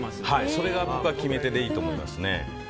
それが決め手でいいと思います。